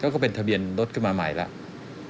ก็เป็นทะเบียนรถขึ้นมาใหม่แล้ว